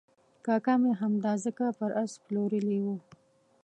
کاکا مې همدا ځمکه پر آس پلورلې وه.